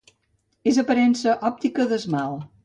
És aparença òptica d'esmalt.